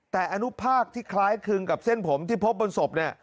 แต่อนุภาคที่คล้ายคืนกับเส้นผมที่พบบนศพ